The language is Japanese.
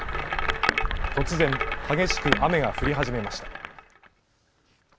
突然、激しく雨が降り始めました。